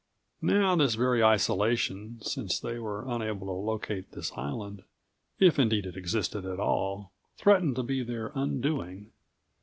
Now this very isolation, since they were unable to locate this island, if indeed it existed at all, threatened to be their undoing.